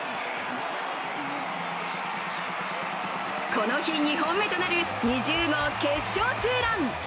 この日２本目となる２０号決勝ツーラン。